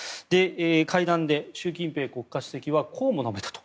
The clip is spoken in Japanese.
会談で習近平国家主席はこうも述べたと。